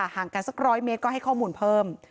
ห่างกันสัก๑๐๐เมตรก็ให้ข้อมูลเพิ่ม